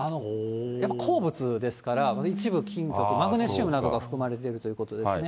やっぱ鉱物ですから、一部、金属、マグネシウムなどが含まれているということですね。